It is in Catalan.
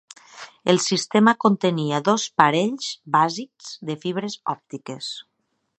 El sistema contenia dos parells bàsics de fibres òptiques.